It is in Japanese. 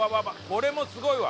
これもすごいわ。